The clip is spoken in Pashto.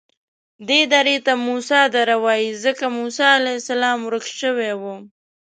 دې درې ته موسی دره وایي ځکه موسی علیه السلام ورک شوی و.